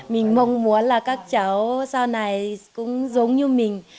mình mong muốn là các cháu sau này cũng giống như mình